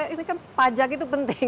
ini kan pajak itu penting